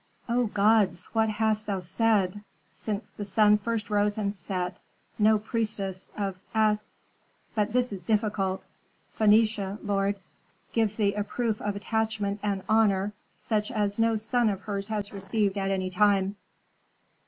"O gods, what hast thou said? Since the sun first rose and set, no priestess of As But this is difficult! Phœnicia, lord, gives thee a proof of attachment and honor such as no son of hers has received at any time."